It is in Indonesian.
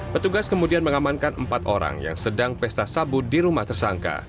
petugas kemudian mengamankan empat orang yang sedang pesta sabu di rumah tersangka